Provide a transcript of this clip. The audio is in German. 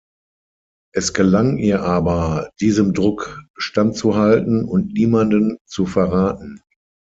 Es gelang ihr aber, diesem Druck standzuhalten und niemanden zu verraten.